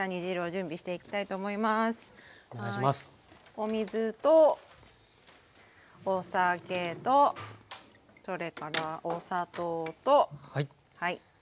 お水とお酒とそれからお砂糖と。